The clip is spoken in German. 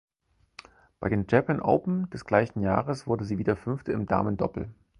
Bei den Japan Open des gleichen Jahres wurde sie wieder Fünfte im Damendoppel.